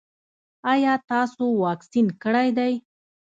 ایا تاسو واکسین کړی دی؟